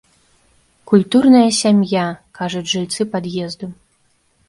Культурная сям'я, кажуць жыльцы пад'езду.